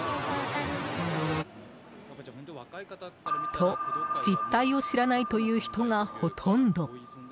と、実態を知らないという人がほとんど。